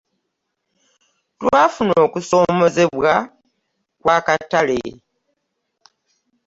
Twafuna okusoomoozebwa kwa katale.